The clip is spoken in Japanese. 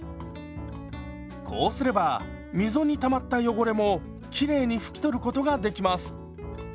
こうすれば溝にたまった汚れもきれいに拭き取ることができます。